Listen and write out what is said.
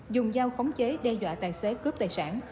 dùng dao khống chế đe dọa tài xế cướp tài sản